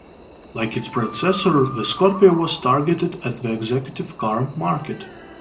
Like its predecessor, the Scorpio was targeted at the executive car market.